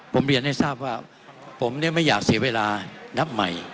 ผมเรียนให้ทราบว่าผมไม่อยากเสียเวลานับใหม่